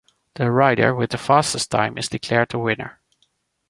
The rider with the fastest time is declared the winner.